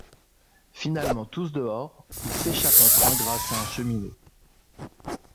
Finalement tous dehors, ils s’échappent en train grâce à un cheminot.